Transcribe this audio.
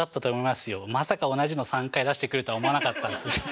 まさか同じの３回出してくるとは思わなかったです。